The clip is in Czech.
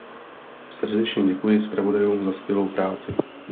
Srdečně děkuji zpravodajům za skvělou práci.